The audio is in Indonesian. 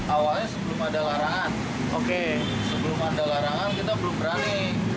awalnya sebelum ada larangan oke sebelum ada larangan kita belum berani